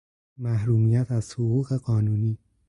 محرومیت از حقوق قانونی